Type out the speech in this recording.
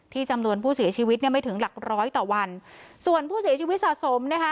จำนวนผู้เสียชีวิตเนี่ยไม่ถึงหลักร้อยต่อวันส่วนผู้เสียชีวิตสะสมนะคะ